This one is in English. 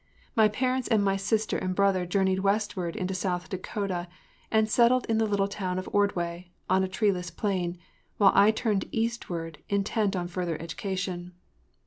My parents and my sister and brother journeyed westward into South Dakota and settled in the little town of Ordway, on a treeless plain, while I turned eastward, intent on further education.